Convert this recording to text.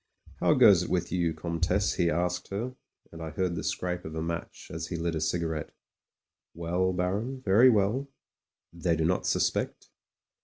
"How goes it with you, Comtesse?" he asked her. SPUD TREVOR OF THE RED HUSSARS 87 and I heard the scrape of a match as he lit a cigarette. Well, Baron, very well." They do not suspect